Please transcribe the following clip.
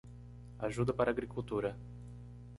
Ajuda para agricultura